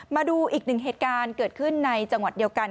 มาดูอีกหนึ่งเหตุการณ์เกิดขึ้นในจังหวัดเดียวกัน